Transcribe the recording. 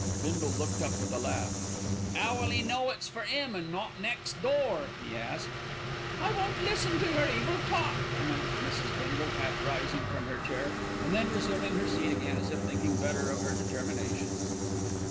Bindle looked up with a laugh. "'Ow'll 'e know it's for 'im an' not next door?" he asked. "I won't listen to your evil talk," announced Mrs. Bindle, half rising from her chair, and then resuming her seat again as if thinking better of her determination.